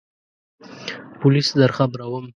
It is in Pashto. پولیس درخبروم !